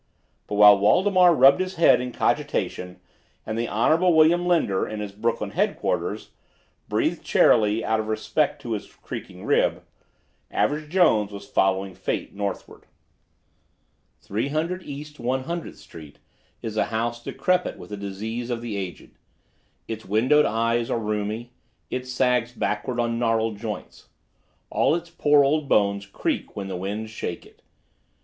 But while Waldemar rubbed his head in cogitatation and the Honorable William Linder, in his Brooklyn headquarters, breathed charily, out of respect to his creaking rib, Average Jones was following fate northward. Three Hundred East One Hundredth Street is a house decrepit with a disease of the aged. Its windowed eyes are rheumy. It sags backward on gnarled joints. All its poor old bones creak when the winds shake it.